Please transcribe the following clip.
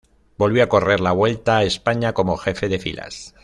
Volvió a correr la Vuelta a España como jefe de filas.